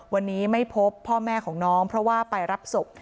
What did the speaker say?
วันนี้ไม่พบพ่อแม่ของน้องเพราะว่าไปรับศพ